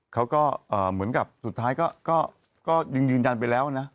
เขาก็เหมือนกับสุดท้ายก็ยังยืนยันไปแล้วนะ